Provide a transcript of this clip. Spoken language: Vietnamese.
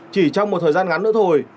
chỉ trong một thời gian ngắn nữa thôi